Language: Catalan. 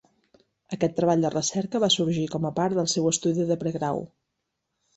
Aquest treball de recerca va sorgir com a part del seu estudi de pregrau.